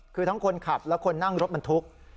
คือทั้งคนขับและคนนั่งรถบรรทุก